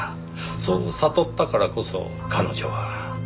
そう悟ったからこそ彼女は。